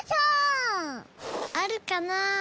あるかな？